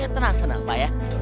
tenang senang pak ya